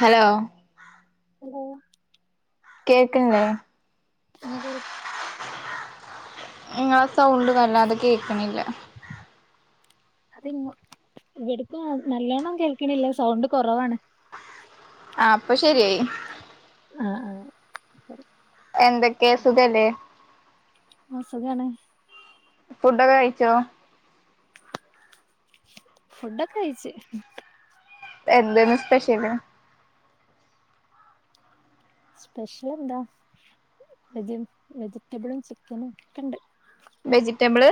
Hello? [unintelligible] കേക്കിണ്ല്ലേ? അതെ നിങ്ങളെ sound വല്ലാതെ കേക്കണില്ല. അത് ഇവിടക്കും, നല്ലോണ്ണം കേൾക്കണില്ല സൗണ്ട് കുറവാണ്. ആ അപ്പൊ ശെരിയായി ആആ എന്തൊക്കെ സുഖ് ല്ലേ അ സുഖാണ്. ഫുഡൊക്കെ കഴിച്ചോ? ഫുഡൊക്കെ കഴിച്ച്. എന്തേയ്ന്നു സ്പെഷ്യല്? സ്പെഷ്യൽ എന്താ, വ വെജിറ്റബിളും, ചിക്കനും ഒക്കെണ്ട്. വെജിറ്റബിള്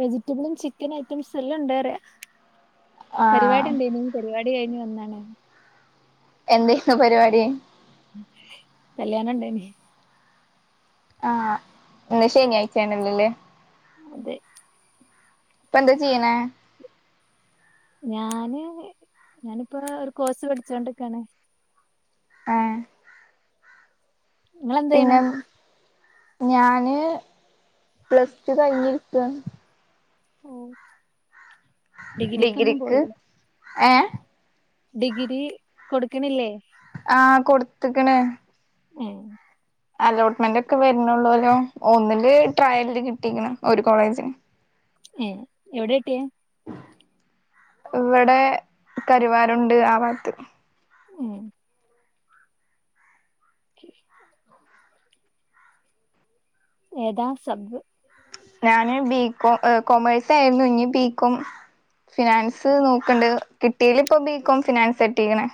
വെജിറ്റബിളും, ചിക്കൻ ഐറ്റംസും എല്ലം ണ്ട് പറയ. ആഹ് പരിപാടി ഇണ്ടേയ്നിം, പരിപാടി കയിഞ്ഞ് വന്നാണ്. എന്തുന്നു പരിപാടി കല്യാണംണ്ടേയ്നി. ആ. ഇന്ന് ശനാഴ്ചണല്ലോല്ലേ? അതെ. ഇപ്പൊ എന്താ ചെയ്യണേ? ഞാന്, ഞാനിപ്പൊ ഒരു കോഴ്സ് പഠിച്ചോണ്ടിക്കാണ്. ആ നിങ്ങളെന്തെയ്യ്ണ്? ഞാന് പ്ലസ് ടു കയിഞ്ഞിരിക്ക. ഓ ഡിഗ്രിക്ക്, ഏ? ഡിഗ്രി കൊട്ക്ക്ണില്ലേ? ആ കൊട്ത്ത്ക്ക്ണ്. ഉം. അലോട്ട്മെന്റ് ഒക്കെ വെര്നൊള്ളൊലോ? ഒന്നില് ട്രയലില് കിട്ടിക്ക്ണ്. ഒരു കോളേജില്. ഏ എവിടെട്ടിയ ഇവിടെ, കരുവാരുണ്ട് ആഭാത്ത്. ഏഹ് [unintelligible] ഏതാ സബ്? ഞാന് ബികോ കോമേഴ്സ ആയിരുന്നു ഇഞ്ഞ് ബികോം ഫിനാൻസ് നോക്ക്ണ്ട്. കിട്ടീല് പ്പൊ ബികോം ഫിനാൻസ് കിട്ടീക്ണ്.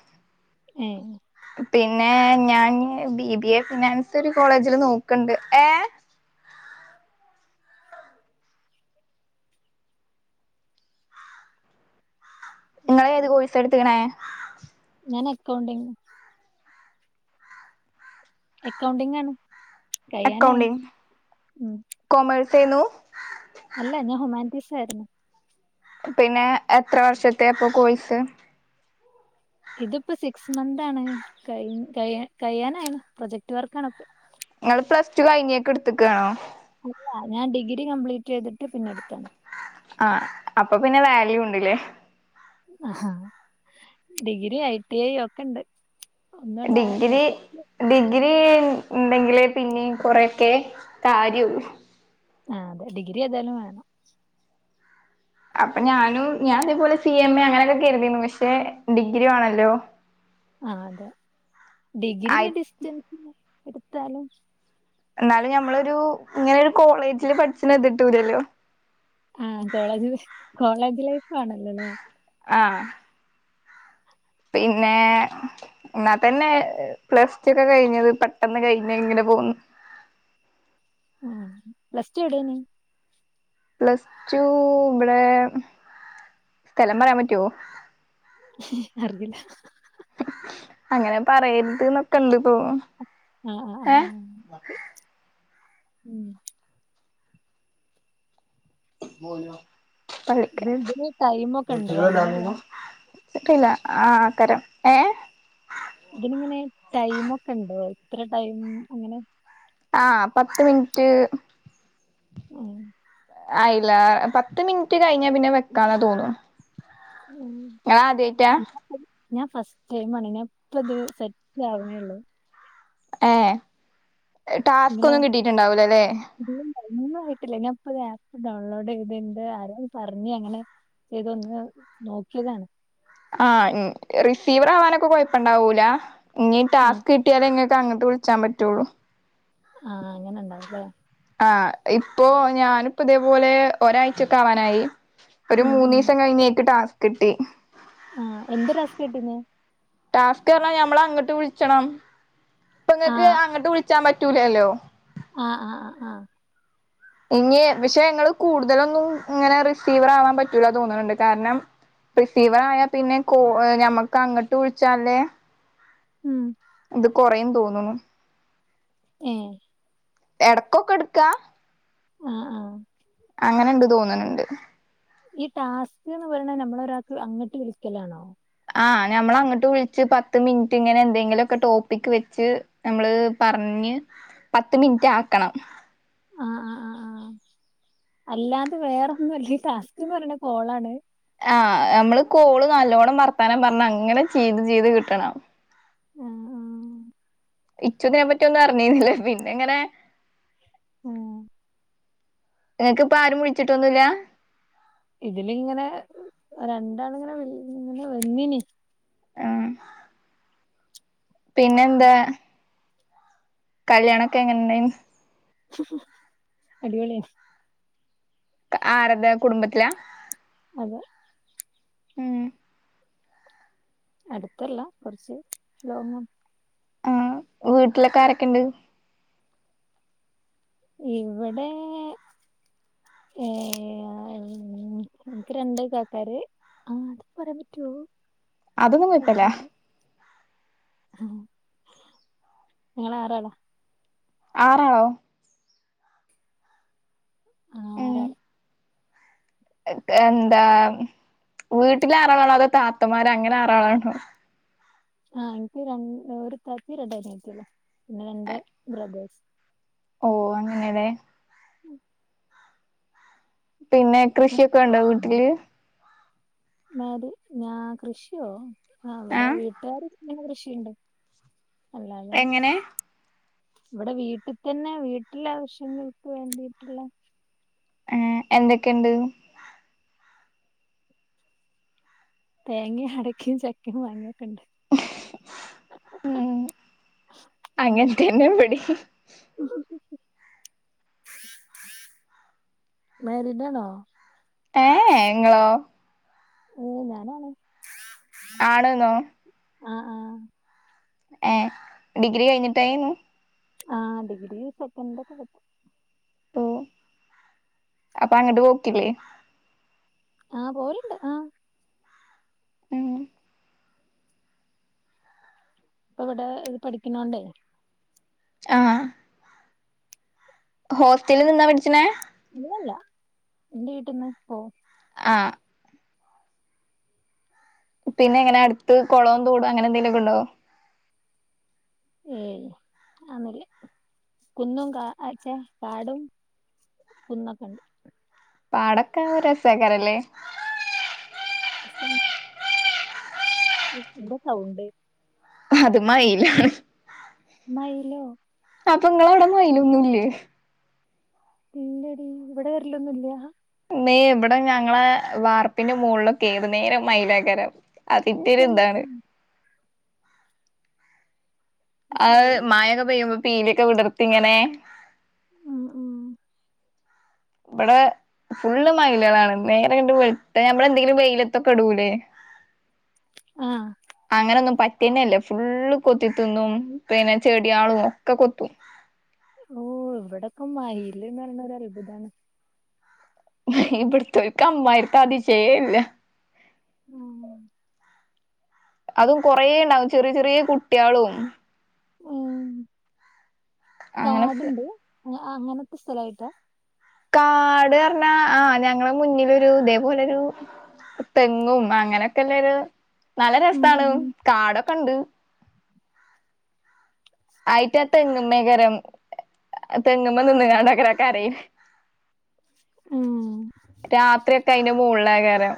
ഏ പിന്നെ ഞാാന് ബി ബി എ ഫിനാൻസ് ഒരു കോളേജില് നോക്കണ്ട് ഏ നിങ്ങളെ ഏത് കോഴസ എടുത്തക്കണേ ഞാൻ അക്കൗണ്ടിങ് അക്കൗണ്ടിംഗ ആണ് കഴിയാനായി അക്കൗണ്ടിങ് ഉം കോമേഴ്സേന്നു അല്ല ഞാൻ ഹുമാൻറ്റിസാരുന്നു പിന്നെ എത്ര വർഷത്തെ പ്പൊ കോയ്‌സ് ഇതിപ്പോ സിക്സ് മന്താണ് കയ്‌ ക കഴിയാനായ്‌ പ്രൊജക്ട് വർക്കാണ്പ്പൊ ങ്ങള് പ്ലസ്റ്റു കഴിഞെക്ക് ട്ത്ത്ക്കാണോ അല്ല ഞാൻ ഡിഗ്രി കംപ്ലീറ്റ് ചെയ്തിട്ട് പിന്നെടുത്താണ് ആ അപ്പൊ പിന്നെ വാല്യുണ്ട്ല്ലേ അ ഹ ഡിഗ്രി ഐ ടി ഐ ഒക്കെണ്ട് ഡിഗ്രി ഡിഗ്രി ണ്ടെങ്കിലേ പിനിം കൊറെഒക്കെ കാര്യള്ളു ആ ഡിഗ്രി ഏതായാലും വേണം അപ്പൊ ഞാനും ഞാൻതേപോലെ സി എം എ അങ്ങനെകെ കരുതിന്ന് പക്ഷെ ഡിഗ്രി വേണല്ലോ ആ അതെ ഡിഗ്രീ ആയി ഞ് ഡിസ്റ്റൻസ് എടുത്താലും എന്നാലും ഞമ്മളൊരു ഇങ്ങനൊരു കോളേജില് പഠിച്ണ ത്ട്ടൂലല്ലോ ആ കോളേജ് കോളേജ് ലൈഫ് ആണല്ലോല്ലെ ആഹ് പിന്നെ എന്നാ തന്നെ പ്ലസ്റ്റു ക്കെ കഴിഞ്ഞത് പെട്ടെന്ന് കഴിഞ്ഞ യ്ങ്ങനെ പോന്നു അ പ്ലസ്റ്റു എവിടേനി പ്ലസ്റ്റു ഇവിടെ സ്ഥലം പറയാൻ പറ്റൊ ഹ് അറീല്ല അങ്ങനെ പറയരുത് നൊക്കെ ഇണ്ട് തോന്ന് - ആ ആഉം ഇത് ഇതിന് ടൈമൊക്കെ ഉണ്ടോ അങ്ങനെയല്ല [unintelligible] ചിറ്റുല ആ തരം ഏ ഇതി ങ്ങനെ ടൈമൊക്കെണ്ടോ ഇത്ര ടൈം അങ്ങനെ ആ പത്ത് മിന്റ്റ് ഉം ആയില്ല പത്ത് മിൻറ്റ് കഴിഞ്ഞാ പിന്നെ വെക്കാന്നാ തോന്നു ഉം ങ്ങളാതേയ്റ്റാ? ഞാൻ ഫസ്റ്റ് ടൈമാണ് ഞ്ഞാൻ ഇപ്പത് സെറ്റാവണേള്ളു ഏ ടാസ്ക് ഒന്നും കിട്ടിട്ടുണ്ടാവ് ലല്ലേ ഒന്നും ആയിട്ടില്ല ഞ പ്പോ ഇത് ആപ്പ് ഡൗൺലോഡ് ചെയ്തിണ്ട് ആരോന്ന് പറഞ്ഞ് അങ്ങനെ ചെയ്തൊന്ന് നോക്കിയതാണ് ആ റിസീവർ ആവാനൊക്കെ കൊഴപ്പണ്ടാവൂല ഇനി ആ ടാസ്ക് കിട്ടിയാലെങ്ങ അങ്ങട്ട് വിളിച്ചാൻ പറ്റുള്ളൂ ആ അങ്ങനെ ണ്ടാവുംല്ലേ ആ ഇപ്പോ ഞാനിപ്പതേപോലെ ഒരാഴ്ചൊക്കെ ആവാനായി ഒരു ഉം മൂന്നീസം കഴിഞ്ഞേക്ക് ടാസ്ക്കിട്ടി ആഹ എന്തൊ [unintelligible] രസ്ഥ കിട്ടിന്ന് ടാസ്ക് പറഞ്ഞാഞമ്മളങ്ങട്ട് വിള്ച്ചണം ആ ഇപ്പങ്ങക്ക് അങ്ങട്ട് വിള് [unintelligible] പറ്റൂലല്ലോ ആ ആ ആ ഇഞ്ഞി പക്ഷെ ങ്ങള് കൂടുതലൊന്നും ഇങ്ങനെ റിസീവർ ആവാൻ പറ്റൂല തോന്നുണ്ട് കാരണം പ്രെസീവറായാൽ പിന്നെ കൊ ഞമ്മക്കങ്ങട്ട് വിളിച്ചാലെ ഉം ഇത് കൊറയും തോന്നുന്നു ഏ എടക്കൊക്കെ ടുക്കാ ആഹ ആഹ അങ്ങനെ ഇണ്ട് തോന്നണണ്ട് ഈ ടാസ്ക് എന്ന് പറയണ നമ്മള ഒരാൾക്ക് അങ്ങോട്ട് വിളിക്കലാണോ ആഹ് ഞമ്മൾ അങ്ങട്ട് വിളിച്ച് പത്ത് മിനിറ്റ് ഇങ്ങനെ എന്തെങ്കിലൊക്കെ ടോപ്പിക് വെച്ച് നമ്മള് പറഞ്ഞ- പറഞ് പത്ത് മിനിറ്റ് ആക്കണം ആ് ആ് ആ ആ അല്ലാതെ വേറെൊന്നുല്ല ടാസ്ക്ന്ന് പറയണ കോളാണ് ആഹ നമ്മള് കോള് നല്ലോണ്ണം വർത്താനം പറഞ്ഞ അങ്ങനെ ചെയ്ത് ചെയ്ത് കിട്ടണം ആഹ ആഹ ഇച്ചോതിനെപ്പറ്റിയ ഒന്നും അറിഞ്ഞിരുന്നില്ലേ പിന്നെ ഇങ്ങനെ ഓ നിങ്ങക്ക് ഇപ്പ ആരും വിളിച്ചിട്ടൊന്നുല്ല ഇതിലിങ്ങനെ രണ്ടാള ഇങ്ങനെ ഇങ്ങനെ വന്നിനീ ആഹ പിന്നെന്താ കല്യാണൊക്കെ എങ്ങനെണ്ടേനി അടിപൊളിയ ആറതാ കുടുംബത്തിലാ അതെ ഉം അടുത്തല്ല കുറച്ച് ലോങ്ങാണ് ആഹ വീട്ടിലൊക്കാരൊക്കെണ്ട് ഇവിടെ ഏ എനിക്ക് രണ്ട് കാക്കാര് ആഹ അത് പറയാൻ പറ്റുവോ അതൊന്നും കൊഴപ്പല്ല ആഹ് ഞങ്ങ ആറാളാ ആറാളോ ആറാൾ ഇതെന്താ വീട്ടിൽ ആറാളാണോ അതോ താത്തമാര് അങ്ങനെ ആറാളാണോ ആഹ എനിക്ക് ഒരു താത്തിം രണ്ട അനിയത്തിയോളും പിന്നെ രണ്ട് ബ്രദേേഴ്സും ഓ അങ്ങനെല്ലെ പിന്നെ കൃഷിയൊക്കെ ഉണ്ടോ വീട്ടില് മേരി ഞാൻ കൃഷിയോ അവിടെ ആഹ് വീട്ടുകാർ എങ്ങെ കൃഷിയുണ്ട് [inaudible] അല്ലതെ എങ്ങനെ ഇവിടെ വീട്ടിൽ തന്നെ വീട്ടിലാവശ്യങ്ങൾക്ക് വേണ്ടിയിട്ടുള്ള ആ എന്തൊക്കെയുണ്ട് തേങ്ങയും അടക്കയും ചക്കയും മാങ്ങായോക്കേണ്ട് അങ്ങനെ തന്നെ ഇവടിം മാരിടാണോ ഏ എ നിങ്ങളോ ഏ ഞാനാണ് ആണ്ന്നോ ആആ ഏ ഡിഗ്രി കഴിഞ്ഞിട്ടായിരുന്നു ആ ഡിഗ്രി സെക്കൻഡ ഒക്കത്ത ഓ അപ്പൊ അങ്ങോട്ട് പോക്കില്ലേ ആ പോവലിണ്ട് ആ ഉം ഇപ്പൊ ഇവിടെ ഇത് പഠിക്കണോണ്ടേ ആ ഹോസ്റ്റലിൽ നിന്നാ പട്ച്ച്ണേ? അല്ലല്ല എന്റെ വീട്ടിൽന്ന് പോവും ആ പിന്നെ എങ്ങനെ അടുത്ത് കുളം തോട് അങ്ങനെ എന്തെങ്കിലൊക്കെണ്ടോ? ഏയ് അതൊന്നുല്ലകുന്നും കുന്നും കാ ച്ചേ കാടും കുന്നൊക്കണ്ട് പാടൊക്കെ രസേക്കാരല്ലേ? രസാണ് എന്ത സൗണ്ട്? അത് മയിലാണ് മയിലോ അപ്പൊങ്ങളവ്ടെ മൈലൊന്നുംല്ലേ ഇല്ലടി ഇവിടെ വരലൊന്നുംല്ല മ്മേ ഇവിടെ ഞങ്ങളെ വാർപ്പിന്റെ മോള്ളൊക്കെ ഏതു നേരം മൈലേക്കാരം അതിന്റെര്താണ് അത് ശരി മായൊക്കെ പെയ്യുമ്പോ പീലിയൊക്കെ വിടർത്തിങ്ങനെ ഉം ഉം ഇവടെ ഫുള്ള് മയിലാളാണ് നേരങ്ങട്ട് വെള്ത്തന ഞമ്മളെന്തെങ്കിലും വെയിലത്തൊക്കെ ഇടൂലേ ആ അങ്ങനൊന്നും പറ്റ റ്റന്നെല്ല ഫുള്ള് കൊത്തി തിന്നും പിന്നെ ചെടിയാളും ഒക്കെ കൊത്തും ഓ ഇവിടൊക്കെ മയിയില്ന്ന് പറയ്ണതൊരത്ഭുതാണ് ഇവിടുത്തോൽക്ക്‌ അമ്മായിര്ത്തെ അതിശയേല്ല [inaudible] അതും കൊറേ ണ്ടാവും ചെറി ചെറീ കുട്ട്യാളും ഉം അങ്ങനെ കാടുണ്ട്? അങ്ങനത്തെ സ്ഥലായിട്ടാ? കാട് പറഞ്ഞാ ആ ഞങ്ങളെ മുന്നിലൊരു ഇതേപോലൊരു തെങ്ങും അങ്ങനെയൊക്കെല്ലരു നല്ല ഉം രസാണ് കാടൊക്കെണ്ട് ആയിറ്റാ തെങ്ങ്മ്മേക്കാരം തെങ്ങ്മ്മെ നിന്ന്ങ്ങാണ്ടക്കരയും ഉം രാത്രി ഒക്കെ അയ്ന്റെ മോള്ളേയ് ക്കാരം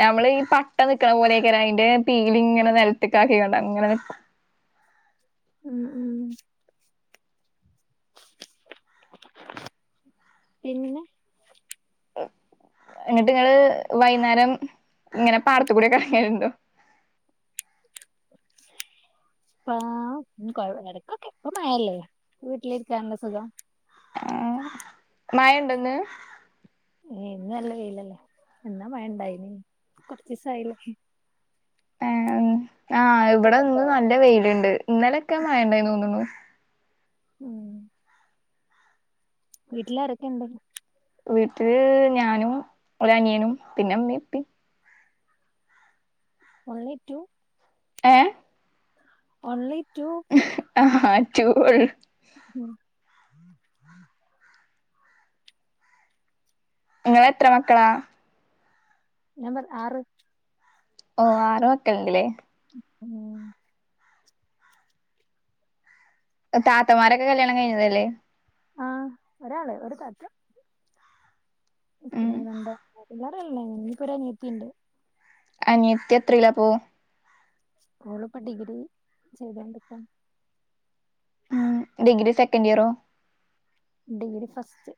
നമ്മളീ പട്ട നിക്കണ പോലെയൊക്കാരം അയ്ന്റെ പീലിങ്ങനെ നിലത്തക്കാക്കിണ്ടങ്ങനെ നിക്കും ഉം ഉം പിന്നെ എന്നിട്ട്ങ്ങള് വൈന്നാരം ഇങ്ങനെ പാടത്ത്ക്കൂടൊക്കെ എർങ്ങല്ണ്ടോ പാ ഉം കോഴ് എടക്കൊക്കെ പ്പ മയല്ലേ വീട്ടിലിരിക്കാനല്ലെ സുഖം ആഹ് മയണ്ടോന്ന്? ഏ ഇന്ന് നല്ല വെയ്ലല്ലേ എന്നാ മഴണ്ടായിന്ന് കൊർച്ചീസായില്ലേ ഏഹ് ആഹ് ഇബടെന്ന് നല്ല വെയില്ണ്ട് ഇന്നലൊക്കെ മയണ്ടയ്ന് തോന്നണു ഉം വീട്ടിലാരൊക്കെണ്ട്? വീട്ടില് ഞാനും ഒരു അനിയനും പിന്നെ മ്മീംപ്പി ഓൺലി ടു ഏഹ് ഓൺലി ആഹ് ടൂ ഒള്ള് നിങ്ങള് എത്ര മക്കളാ ഞമ്മൾ ആറ് ഓ ആറ് മക്കൾ ഉണ്ട് ലെ ഓ താത്തമാരൊക്കെ കല്യാണം കഴിഞ്ഞതല്ലേ ആഹ ഒരാള് ഒരു താത്ത ഉം പിന്നെന്താ ല്ലേ ഇനിക്കൊരു അനിയെത്തിണ്ട് ത്തി എത്രല്ലപ്പോ സ്കൂളിൽ ഇപ്പൊ ഡിഗ്രി ചെയ്തോണ്ടിരിക്കാ ഉം ഡിഗ്രി സെക്കൻഡ് ഇയറോ ഡിഗ്രി ഫസ്റ്റ്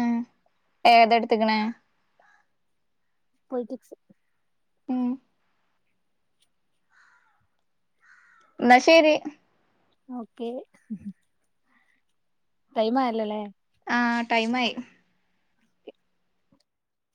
ഉം ഏതെടുത്തക്കണ പൊളിറ്റിക്സ് ഉം എന്ന ശരി ഓക്കെ ടൈം ആയല്ലല്ലെ ആ ടൈം ആയി